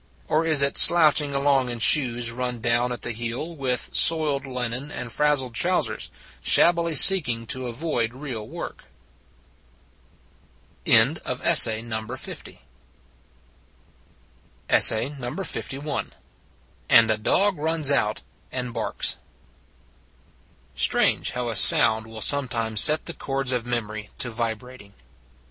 Or is it slouching along in shoes run down at the heel, with soiled linen and frazzled trousers, shabbily seeking to avoid real work? AND A DOG RUNS OUT AND BARKS STRANGE how a sound will some times set the chords of memory to vi brating.